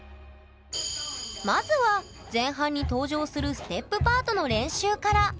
まずは前半に登場するステップパートの練習から。